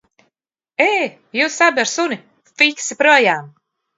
Ē, jūs abi ar suni, fiksi projām!